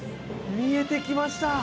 見えてきました。